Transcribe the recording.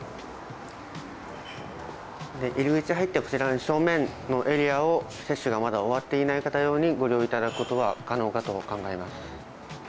入り口入って、こちらの正面のエリアを、接種がまだ終わってない方用にご利用いただくことは可能かと考え